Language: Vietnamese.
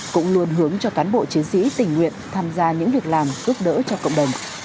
cũng luôn hướng cho cán bộ chiến sĩ tình nguyện tham gia những việc làm giúp đỡ cho cộng đồng